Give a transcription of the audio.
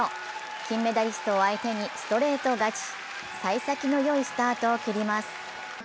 金メダリストを相手にストレート勝ち、さい先のいいスタートを切ります。